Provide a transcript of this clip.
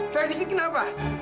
fahid dikit kenapa